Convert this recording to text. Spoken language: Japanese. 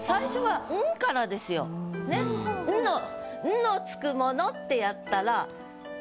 「『ん』のつくもの」ってやったら。